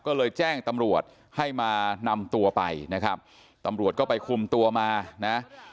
ก็เลยแจ้งตำรวจให้มานำตัวไปนะครับตำรวจก็ไปคุมตัวมานะ